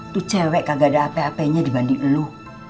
tuh cewek kagak ada ape apenya dibandingin lo